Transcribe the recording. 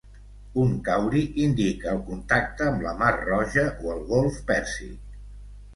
Un cauri indica el contacte amb la mar Roja o el golf Pèrsic.